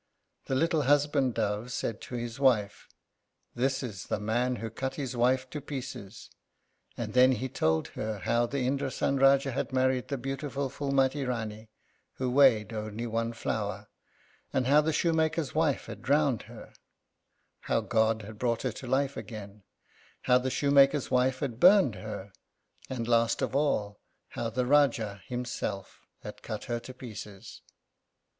The little husband dove said to his wife, "This is the man who cut his wife to pieces." And then he told her how the Indrásan Rájá had married the beautiful Phúlmati Rání, who weighed only one flower, and how the shoemaker's wife had drowned her; how God had brought her to life again; how the shoemaker's wife had burned her; and last of all, how the Rájá himself had cut her to pieces.